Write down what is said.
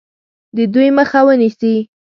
د دوی مخه ونیسي.